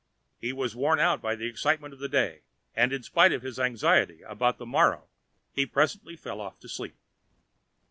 He was worn out by the excitement of the day, and in spite of his anxiety about the morrow he presently fell off to sleep.